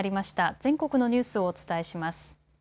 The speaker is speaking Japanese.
全国のニュースをお伝えします。